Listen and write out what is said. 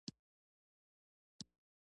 پلار یې سودا ګر دی .